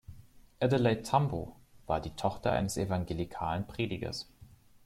Adelaide Tambo war die Tochter eines evangelikalen Predigers.